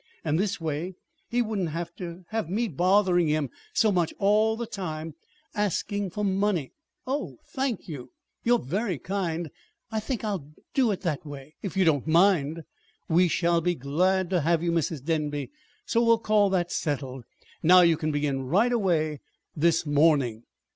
And this way he wouldn't have to have me bothering him so much all the time asking for money. Oh, thank you. You're very kind. I think I will do that way if you don't mind." "We shall be glad to have you, Mrs. Denby. So we'll call that settled. And now you can begin right away this morning."